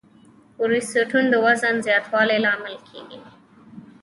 کورټیسول د وزن زیاتوالي لامل کېږي.